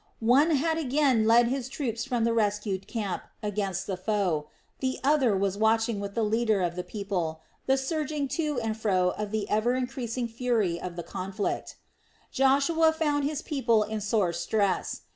One had again led his troops from the rescued camp against the foe; the other was watching with the leader of the people the surging to and fro of the ever increasing fury of the conflict. Joshua found his people in sore stress.